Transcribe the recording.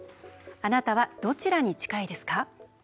あなたはどちらに近いですか？